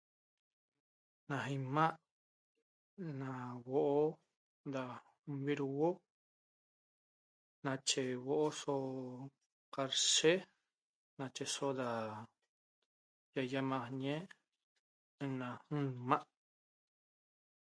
Na ima' na huo'o da invirhuo nache huo'o so qarshe nacheso ra yayamaxajñi ena nma'